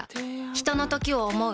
ひとのときを、想う。